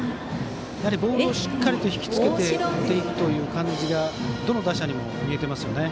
ボールをしっかり引き付けて打っていくという感じがどの打者にも見えていますよね。